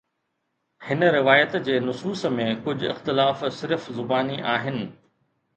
هن روايت جي نصوص ۾ ڪجهه اختلاف صرف زباني آهن